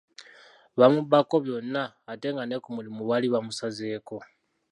Baamubbako byonna ate nga ne ku mulimu baali bamusazeeko.